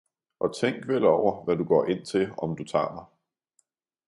og tænk vel over hvad du går ind til, om du tager mig.